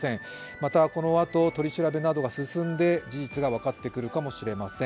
またこのあと取り調べなどが進んで事実が分かってくるかもしれません。